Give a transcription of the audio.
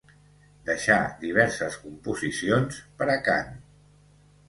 Deixà diverses composicions per a cant.